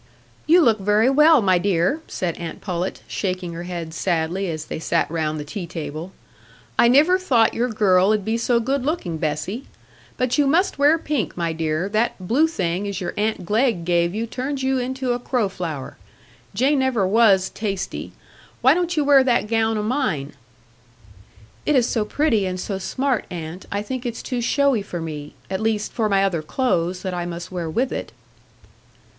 "You look very well, my dear," said aunt Pullet, shaking her head sadly, as they sat round the tea table. "I niver thought your girl 'ud be so good looking, Bessy. But you must wear pink, my dear; that blue thing as your aunt Glegg gave you turns you into a crowflower. Jane never was tasty. Why don't you wear that gown o' mine?" "It is so pretty and so smart, aunt. I think it's too showy for me,—at least for my other clothes, that I must wear with it.